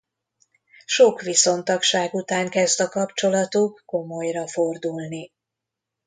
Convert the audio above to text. Sok viszontagság után kezd a kapcsolatuk komolyra fordulni.